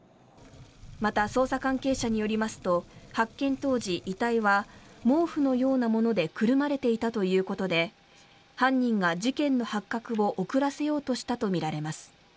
また捜査関係者によりますと発見当時、遺体は毛布のようなものでくるまれていたということで犯人が事件の発覚を遅らせようとしたとみられます。